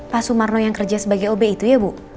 pak sumarno yang kerja sebagai ob itu ya bu